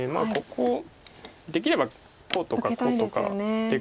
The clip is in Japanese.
ここできればこうとかこうとかで。